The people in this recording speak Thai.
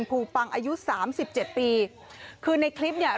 ภูปังอายุ๓๗ปีคือในคลิปเนี่ย